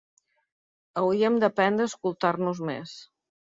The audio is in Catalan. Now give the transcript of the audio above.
Hauríem d’aprendre a escoltar-nos més